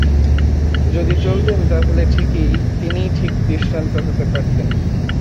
যদি চলতেন তা হলে তিনিই ঠিক দৃষ্টান্ত হতে পারতেন।